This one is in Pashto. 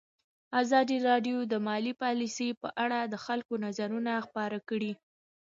ازادي راډیو د مالي پالیسي په اړه د خلکو نظرونه خپاره کړي.